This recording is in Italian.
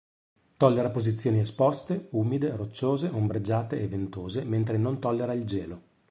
Tollera posizioni esposte, umide, rocciose, ombreggiate e ventose, mentre non tollera il gelo.